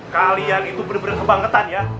kalian itu benar benar kebangetan ya